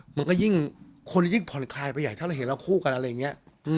มันก็ยิ่งคนยิ่งผ่อนคลายไปใหญ่ถ้าเราเห็นเราคู่กันอะไรอย่างนี้